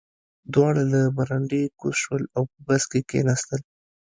دواړه له برنډې کوز شول او په بس کې کېناستل